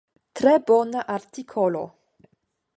Tre bona artikolo!